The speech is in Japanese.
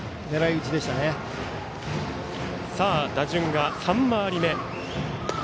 打順が３回り目。